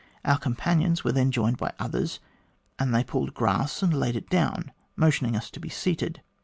Our companions were then joined by others, and they pulled grass, and laid it down, motioning us to be seated.